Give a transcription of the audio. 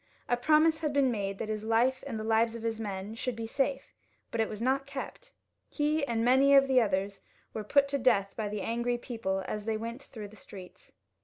A promise had been made that his life and the lives of his men should be safe, but it was not kept. He and many of the others were put to death by the angry people as they went through the streets.